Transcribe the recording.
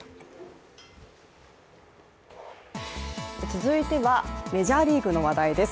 続いてはメジャーリーグの話題です。